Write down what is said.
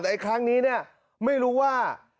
แต่ครั้งนี้เนี่ยไม่รู้ว่า